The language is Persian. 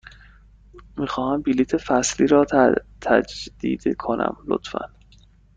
می خواهم بلیط فصلی را تجدید کنم، لطفاً.